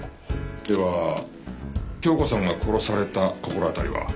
では鏡子さんが殺された心当たりは？